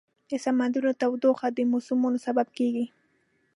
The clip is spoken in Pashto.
د سمندرونو تودوخه د موسمونو سبب کېږي.